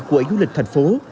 của yếu lịch thành phố